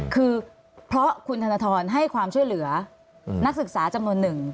คือเพราะคุณธนทรให้ความช่วยเหลือนักศึกษาจำนวนหนึ่ง